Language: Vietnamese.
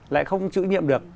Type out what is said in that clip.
lại không chủ nhiệm được